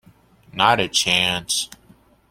Not a chance.